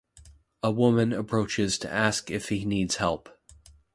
A woman approaches to ask if he needs help.